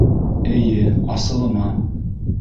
Эйе, асылыма.